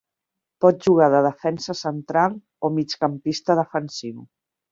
Pot jugar de defensa central o migcampista defensiu.